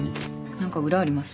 何か裏あります？